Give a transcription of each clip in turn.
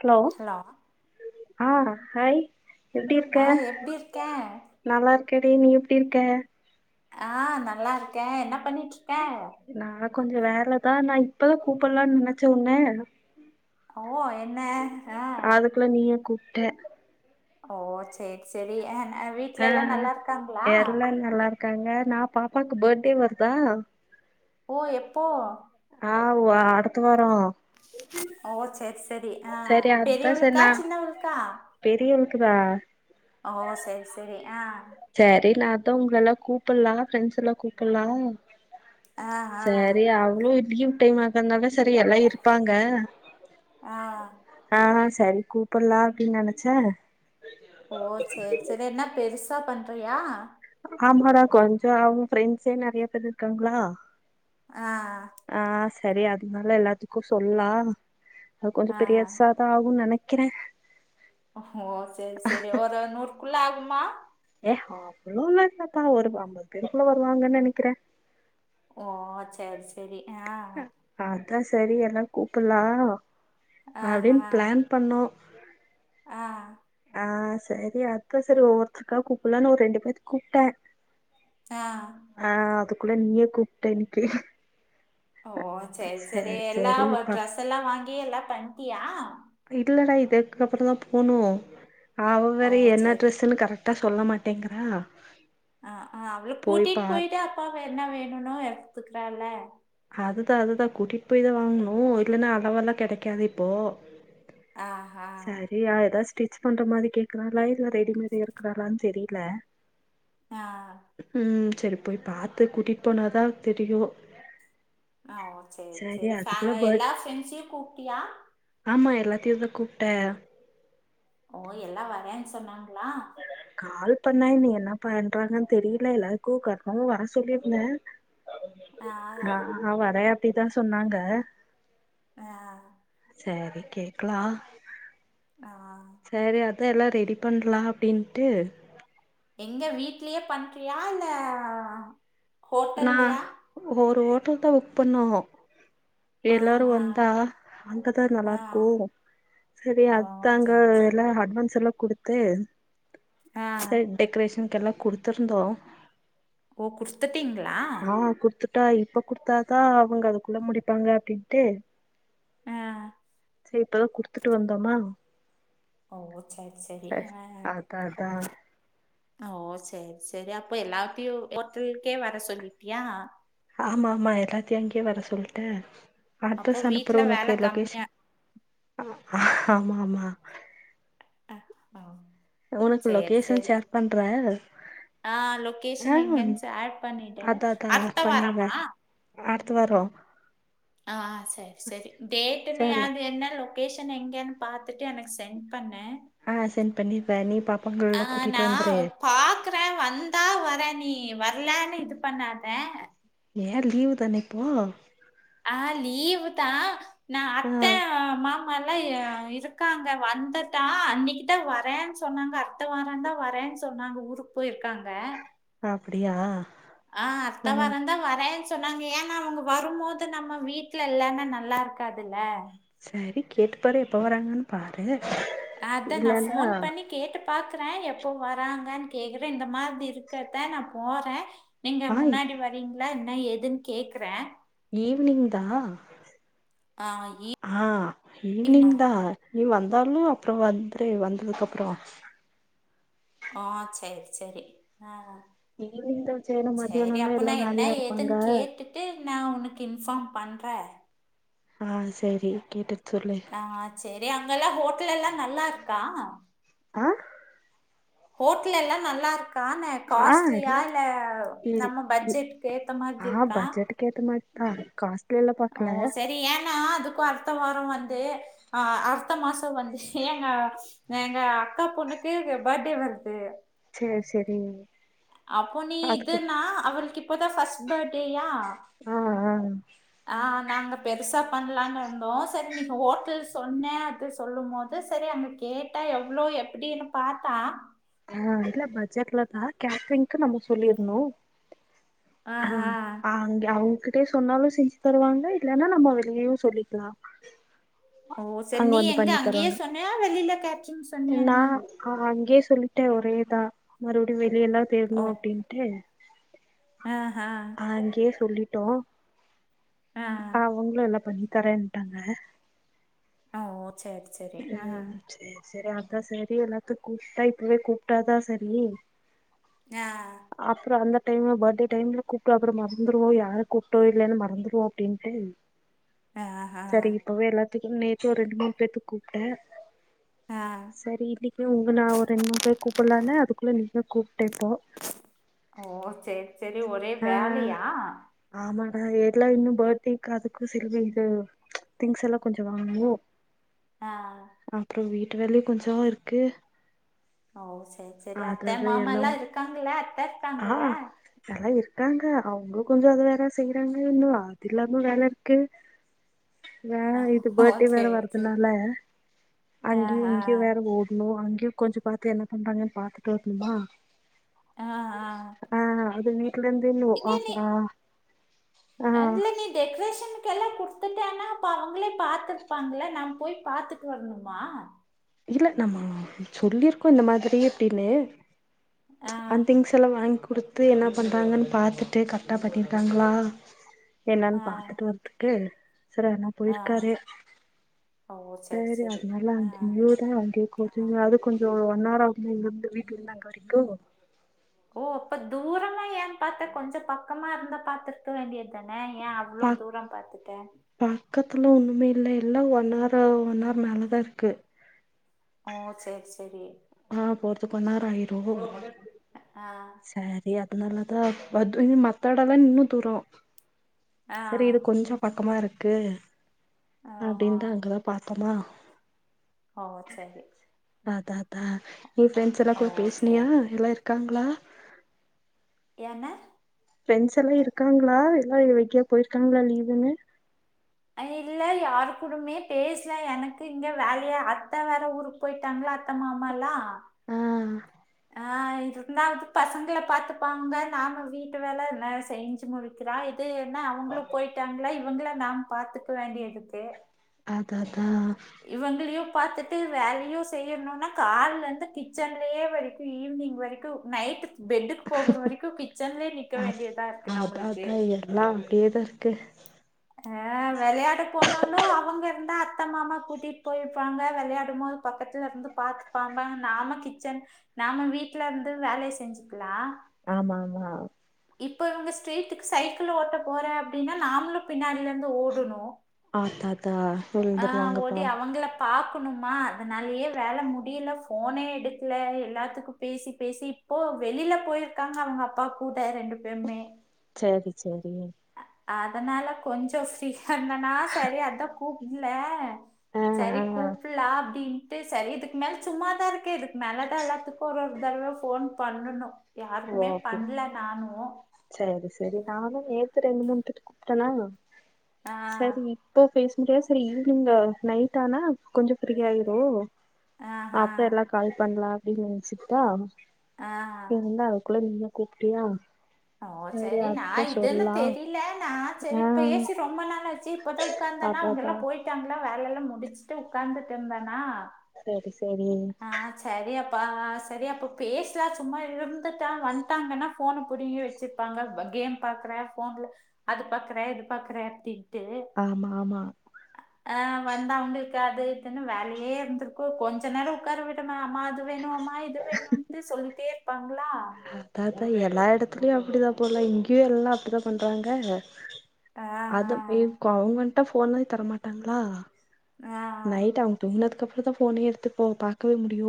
Hello ஆ hi எப்படி ஆ இருக்கே எப்டி இருக்க நல்லா இருக்கேடி நீ எப்படி இருக்கே ஆ நல்லா இருக்கே என்ன பண்ணிட்டு இருக்கே நா கொஞ்சோ வேலதா நா இப்பதா கூப்பலான்னு நெனச்சே உன்ன ஓ என்ன ஆ குள்ள நீயே கூப்ட ஓ சேரி சேரி ஏ வீட்ல எல்லா நல்லா இருக்காங்களா க்காங்க நா பாப்பாக்கு பர்த்டே வருதா ஓ எப்போ ஆ அடுத்த வாரோ ஓ சேரி சேரி ஆ சரி அதா சரி பெரியவளுக்கா நா சின்னவளுக்கா பெரியவளுக்குதா ஓ சேரி சேரி ஆ சேரி நா அதா உங்கள எல்லா கூப்பலா பிரண்ட்ஸ் எல்லா கூப்பலா ஆ ஆ சேரி அவ்லு லீவ் டைம் ஆகறனால சேரி எல்லா இருப்பாங்க ஆ ஆ சேரி கூப்டலா அப்டினு நெனைச்சே ஓ சேரி சேரி என்ன பெருசா பண்றியா ஆமாடா கொஞ்சோ அவுங்க ஃப்ரெண்ட்ஸே நெறைய பேரு இருக்காங்களா ஆ ஆ சேரி அதுனால எல்லாத்துக்கு சொல்லுலா அது கொஞ்சோ ஆ பெரியசா தாவு நெனைக்கிறே ஓஹோ சேரி சேரி ஒரு நூறுக்குள்ள ஆகுமா ஏ அவ்ளோல இல்லபா ஒரு ஐம்பது பேருக்குள்ள வருவாங்கன்னு நெனைக்குற ஓ செரி செரி ஆ அதா செரி எல்லா கூப்பலா ஆஹா அப்டின்னு பிளான் பண்ணோ ஆ ஆ செரி அதா செரி ஒவ்வொருத்திருக்கா கூப்பலான்னு ஒரு ரெண்டு பேத்துக்கு கூப்டே ஆ ஆ அதுக்குள்ள நீயே கூப்ட இன்னிக்கு ஓ செரி செரி எல்லா சரிப்பா டிரஸ் எல்லா வாங்கி எல்லா பண்டியா இல்லடா இதுக்கு அப்புறதா போணு அவ ஓ வேற என்ன சரி ட்ரஸ்ன்னு கரெ டா சொல்ல மாட்டேங்கறா அ ஆ அவள கூட்டிட் போயிட்டு அப்ப அவ என்ன வேணுன்னோ எடுத்துக்கறால அதுதா அதுதா கூட்டிட் போய் தா வாங்கணு இல்லேன்னா அளவெல்லா கிடைக்காது இப்போ ஆ ஹா செரியா ஏதாவது ஸ்டிச் பண்ற மாதி கேக்குறாளா இல்ல ரெடிமேட் எடுக்குறாளான்னு தெரியில ஆ ம் செரி போய் பாத்து கூட்டிட்டு போனாதா தெரியு ஆ ஓ செரி சரி செரி வேற அதுக்குள்ள பர்த் எல்லா ஃப்ரெண்ட்ஸ்யு கூப்டியா ஆமா எல்லாத்தையு தா கூப்டே ஓ எல்லா வரேன்னு சொன்னாங்களா கால் பண்ண இனி என்ன பண்றாங்கன்னு தெரியில எல்லாருக்கு கன்ஃபார்மா வர சொல்லியிருந்த ஆ ஆ ஆ வரே அப்டிதா சொன்னாங்க ஆ செரி கேக்கலா ஆ செரி அதா எல்லா ரெடி பண்ணலா அப்டின்டு எங்க வீட்லயே பண்றியா இல்ல ஆ நா ஒரு ஹோட்டல் தா புக் பண்ணோணு எல்லாரு ஆஹா வந்தா அங்கதா நல்லா ஆ இருக்கு செரி ஓ அதாங்க சரி சரி எல்லா அட்வான்ஸ் எல்லா குடுத் ம் ஆ செரி டெக்கரேஷன்னுக்கு எல்லா குடுத்துருந்தோ ஓ குடுத்து ஆ குடுத்துட்டா இப்ப குடுத்தாதா அவங்க அதுக்குள்ள முடிப்பாங்க அப்டின்ட்டு ஆ செரி இப்பதா குடுத்துட்டு வந்தோமா ஓ செரி செரி ஆ அதா அதா ஓ செரி செரி அப்ப எல்லாத்தையு ஹோட்டலுக்கே வர சொல்லிட்டியா ஆமா ஆமா எல்லாத்தையு அங்கேயே வர சொல்டேன் அப்போ அட்ரஸ் அனுப்புறே வீட்ல வேல உனக்கு கம்மியா லொகேஷன் ஆ ஆமா ஆமா அ ஒ உனக்கு லொகேஷன் ஷேர் பண்றே ஆ லொகேஷன் எங்கன்னு ஷேர் பண்ணிட்டு அதா அதா அட்த்த பண்ணிருவே வரமா அடுத்த வாரோ ஆ ஆ செரி செரி டேட்டு இனி சேர்ண்ண அது என்ன லொ லொகேஷன் எங்கேன்னு பாத்துட்டு எனக்கு சென்ட் பண்ணு ஆ சென்ட் பண்ணிருவ நீ பாப்பாங்களல்லா கூட்டிட்டு வந்துரு பாக்குற வந்தா வரே நீ வரலேன் இது பண்ணாத ஏ லீவு தான இப்போ ஆ லீவு தா நா ஆ அத்த மாமால்லா அ இருக்காங் ங்க வந்துட்டா அன்னிக்கு தா வரேன் சொன்னாங்க அத்த வாரந்தா வரேன் சொன்னாங்க ஊருக் போய்ருக்காங்க அப்படியா ஆ அத்த வராந்தா வரே இப்ப நாங்க ஏன்னா அவங்க வரும்போது நம்ம வீட்ல இல்லனா நல்லாருக்காதுல சரி கேட்டு பாரு எப்ப வராங்கன் பாரு அதா நா இல்லன்னா ஃபோன் பண்ணி கேட்டு பாக்குற எப்போ வராங்கன் கேக்குற இந்த மாதிரி இருக்கத்த நா போறே நீங்க ஆ முன்னாடி வரீங்ளா என்னா ஏதுன் கேக்குற ஈவ்னிங் தா ஆ ஈ- ஆ ஈவ்னிங் தா நீ வந்தாலு அப்ற வந்ரு வந்ததுக்கு அப்ற ஆ செரி செரி ஆ ஈவினிங் தா செய்யணு செரி மத்தியானோனா அப்ப எல்லா நா என்ன வேலையா இருப்பாங்க ஏதுன் கேட்டு ட்டு நா உனக்கு இன்ஃபார்ம் பண்ற ஆ செரி கேட்டுட் சொல்லு ஆ செரி அங்கல்லா ஹோட்டல்லல்லா நல்லாருக்கா ஆ ஹோட்டல்லல்லா நல்லாருக்கான ஆ காஸ்ட்லியா எல்லா இல்ல இ நம்ம பட்ஜெட்டுக் ஏத்த மாதிரி இருக்கா கேத்த மாரி தா காஸ்த் ஓ செரி ஏன் னா அதுக்கு அடுத்த வாரம் வந்து அ அடுத்த மாச வந்து ஹேங்கா எங்க அக்கா பொண்ணுக்கு பர்த்டே வருது செர் செரி அப்போ நீ இதுன்னா அவளுக்கு இப்பதா ஃபர்ஸ்ட் பர்ட்டேயா ஆ ஆ ஆ நாங்க பெருசா பண்ணலான் இருந்தோ செரி நீ இப்போ ஹோட்டல் சொன்ன அது சொல்லும்போது செரி அந்த கேட்டா எவ்ளோ எப்டின் பாத்தா ஆஅதுக்லா பட்ஜெட்லப்பா கேட்ரிங்க்கு நம்ம சொல்லிர்னு ஆ ஆஹா அங்க அவங்க ட்டு சொன்னாலு செஞ்சு தருவாங்க இல்லனா நம்ம வெளியயு சொல்லிக்கலா ஓ சரி அங்க நீ வந்து எங்க பண்ணி அங்கயே தருவாங்க சொன்னியா வெளில கேட்ரிங் சொன்னியா நா நீ அங்கயே சொல்லிட்டே ஒரேதா மறுபடியு வெளியெல்லா தேடணு அப்டின் ஏ ஆ ஹா அங்கயே சொல்லிட்டோ ஆ அவ்ங்ளே எல்லா பண்ணி தரேன்ட்டாங்க ஆ ஓ சேரி ம் செர் செரி அதா செரி எல்லாத்தையு கூப்ட்டா இப்பவே கூப்ட்டாதா செரி ஆ அப்றோ அந்த டைம்ல பர்த்டே டைம்ல கூப்ட்டா அப்றோ மறந்துருவோ யார கூப்ட்டோ இல்லன் மறந்துருவோ அப்டின்ட்டு ஆஹா சரி இப்பவே எல்லாத்துக்கு நேத்து ஒரு ரெண்டு மூணு பேத்துக்கு கூப்ட அ சரி இன்னைக்கு உங்க நா ஒரு ரெண்டு மூணு பேர் கூப்புலான அதுக்குள்ளே நீயே கூப்ட இப்போ ஓ செரி செரி ஒரே ஆ வேலையா ஆமாடா எல்லா இன்னு பத்டேக்கு அதுக்கு செல்வே இது திங்ஸ் எல்லா கொஞ்ச வாங்வோ ஆ அப்புற வீட்டு வேல கொஞ்சோ இருக்கு ஓ சரி சரி அத்த அததா மாமால்லா எல்லாம் இருக்காங்கல்ல அத்த ஆ எலா இருக்காங்க அவுங்க கொஞ்சோ அது வேல செய்றாங்க இன்னு அது இல்லாம வேலருக்கு வே இது ஓ பர் டே வேற சரி சரி வர்றதுனால அங்கயு இங்கயு ஆஹா வேற ஓட் னோ அங்கயு கொஞ்சோ பாத்து என்ன பண்றாங்கன் பாத்துட்டு வரனுமா ஆ ஆ ஆ அது வீட்லருந்து இன்னு இல்ல ஆஃப் நீ அ ஆ டெக்ரேஷனுக்கெல்லா குடுத்துட்டேனா அப்ப அவங்களே பாத்துப்பாங்கல்ல நா போய் பாத்துட்டு வரணுமா இல்ல நம்ம சொல்லிருக்கோ இந்த மாதிரி அப்டின்னு ஆ சம் திங்ஸ் லா வாங்கி குடுத்து என்ன பண்றாங்கன் பாத்துட்டு கரெக்டா பண்ணிருக்காங்களா என்னன் ஆ பாத்துட்டு வரதுக்கு சரினா ஆ போயிருக்காரு சரி அதுனால முதான் அங்க ஆ இருக்கு அது கொஞ்சோ ஒன் ஆர் ஆகுமா இங்கருந்து வீட்லருந்து அங்க வரைக்கு ஓ அப்ப தூரமா ஏ பாத்த கொஞ்சோ பக்கமா இருந்தா பாத்துருக்க வேண்டிய தான ஏ அ அவ்ளோ பாக் தூர பாத்துட்ட பக்கத்துல ஒண்ணுமே இல்ல எல்லா ஒன் ஆர் ஆ ஒன் ஆர் மேல தா இருக்கு ஓ சேரி சேரி ஆ போறதுக்கு ஒன் ஆர் ஆயிரு ஆ சரி அதனாலதா வது இ மத்த எடோல்லா இன்னு தூரோ ஆ சரி இது கொஞ்சோ பக்கமா இருக்கு ஓஹோ அப்டின் தா அங்கதா பாத்தமா ஓ சரி அதாதா நீ ஃப்ரெண்ட்ஸ் எல்லா ஓ கூட பேசுனியா சரி எல்லா இருக்காங்களா என்ன ஃப்ரெண்ஸ் எல்லா இருக்காங்களா எல்லா எங்கயா போயிருக்காங்களா லீவுனு இல்ல யாரு கூடமே பேசல எனக்கு இங்க வேலயா அத்த வேற ஊருக் போயிட்டாங்ளா அத்த மாமாலா ஆ ஆ இருந்தாவது பசங்கள பாத்துப்பாங்க நாம வீட்டு வேல எல்லா செஞ்சு முடிக்கிறா அது என்னா அவங்களு போயிட்டாங்களா இவங்கள நா பாத்துக்க வேண்டியருக்கு அதா தா இவங்களையு பாத்துட்டு வேலையு செய்யணுனா கால்லருந்து கிச்சன்லேயே வரைக்கு ஈவினிங் வரைக்கு நைட் பெட்டுக்கு போகுற வரைக்கு கிச்சன்லயே நிக்க அ வேண்டியதா இருக்கு அதா நம்மளுக்கு அதா எல்லா அப்டியேதா இருக்கு அ வெளையாட போனாலு அவங்க இருந்தா அத் அத்தை மாமா கூட்டிட்டு போயிருப்பாங்க விளையாடுபோது பக்கத்துல இருந்து பாத்துபாங்க நாம கிச்சன் நாம வீட்டு்ல இருந்து வேலையே செஞ்சுக்கலா ஆமா ஆமா இப்ப இவங்க ஸ்ட்ரீட்டுக்கு சைக்கிள் ஓட்ட போறே அப்புடின்னா நாமளு பின்னாடில இருந்து ஓடணு ஆத்தாத்தா விழுந்துருவாங்கப்பா பாக்கணுமா அதனாலயே வேல முடியல போனே எடுக்கல எல்லாத்துக்கு பேசிப் பேசி இப்போ வெளியில போயிருக்காங்க அவங்க அப்பா கூட ரெண்டு பேருமே சேரி சேரிங்க அதனால கொஞ்ச ஃப்ரீயா இருந்தனா சேரி அத்தா கூப்புடலே ஆ சரி ஆ கூப்பலா அப்டின் சரி இதுக்கு மேல சும்மாதா இருக்கே இதுக்கு மேலதா எல்லாத்துக்கு ஒரு ஒரு தடவ ஃபோன் பண்ணணு யாருக்குமே பண்ணல நானு சரி சரி நானு நேத்து ரெண்டு மூணு டிரிப் கூப்ட்டனா ஆ சரி இப்போ பேச முடியியாது சரி ஈவ்னிங் நைட் ஆனா கொஞ்சோ ஃப்ரீ ஆயிரு ஆஹா அப்பரோ எல்லா கால் பண்லா அப்டின்னு நெனச்சுட்டா ஆ இருந்த அதுக்குள்ள நீயு கூப்ட்டியா ஓ சேரி செரி நா அதா இதுன்னு சொல்லா தெரிலே நா சேரி ஆ பேசி ரொம்ப நாள் ஆ ச்சி இப்பதா உக்காந்தனா அதா அவங்க அதா எல்லா போயிட்டாங்களா வேலைய எல்லா முடிச்சுட்டு உக்காந்துட்டு இருந்தனா சேரி சேரி சரி அப்பா சரி அப்ப பேசலா சும்மா இருந்துட்டா வந்துட்டாங்கனா ஃபோனு புடிங்கி வச்சிருப்பாங்க கேம் பாக்குற ஃபோன்ல அது பாக்குறே இது பாக்குறே அப்புடின்ட்டு ஆமா ஆமா ஆ வந்தா ஒன்னு இருகாது இதென்னு வேலேயே இருந்திருக்கு கொஞ்ச நேர உக்கார விடமா ஆமா அது வேணுமா இது வேணுட்டு சொல்லிட்டே இருப்பாங்களா அதா தா எல்லா இடத்துலயு அப்புடிதா போல இங்கேயு எல்லா அப்புடித்தா பண்றாங்க ஆ அது வேவ் கவ்ர்மெண்டு ஃபோனே தரமாட்டாங்களா ஆ ஆ நைட் அவங்க தூங்கினதுக்கு அப்பற தா ஃபோனே எடுத்து போ பாக்கவே முடியு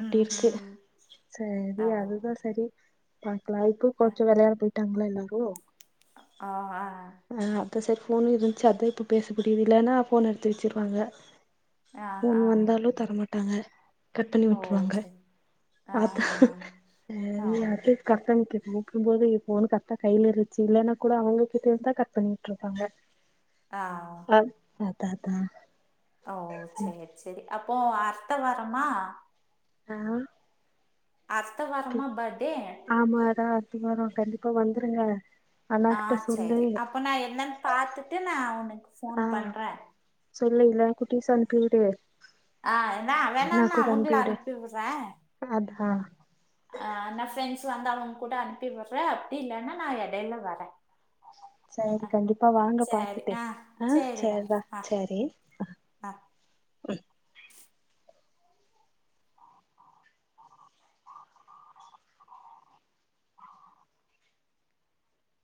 இப்புடி ம் இருக்கு ம் சேரி ஆ அதுதா சேரின்னு பாக்கலா இப்போ கொஞ்ச விளையாட போயி ட்டாங்கலா எல்லாரு ஆ அ ஆ அதா சேரி ஃபோன் இருந்துச்சு அதா இப்ப பேச முடியுது இல்லன்னா ஃபோன் எடுத்து வச்சிருவாங்க ஆ ஃபோன் ஆ வந்தாலு தரமாட்டாங்க கட் பண்ணி ஓ விட்டுருவாங்க சரி ஆ அதா ஆ ஆ சேரி அது கரெக்ட்டா நீங்க கூப்பிடு போது ஏ ஃபோனு கரெக்டா கையிலே இருந்துச்சு இல்லன்னா கூட அவங்ககிட்ட இருந்த கட் பண்ணி உட்டுருப்பாங்க ஆ அத் அதா தா ஓ சேரி சேரி அப்போ அடுத்த வாரமா ஆ அடுத்த வாரம பர்த்டே ஆமாடா அடுத்த வாரோ கண்டிப்பா வந்துருங்க அண்ணா ஆ கிட்ட சொல்லு சரி. அப்போ நா என்னன்னு பாத்துட்டு நா உனக்கு ஃபோன் ஆ பண்றேன். சொல்ல இல்லான குட்டிஸ அனுப்பி விடு ஆ என்ன வேனான்னா அவங்கள அனுப்பிவிடு அனுப்பி விடுற அதா அ நா ஃப்ரெண்ட்ஸ் வந்தா அவங்க கூட அனுப்பி விட்ற அப்டி இல்லன்னா நா எடைல வர சரி அ கண்டிப்பா வாங்க சரி பாத்துட்டு ஆ சரிடா சேர்ரா ஆ சரி ஆ.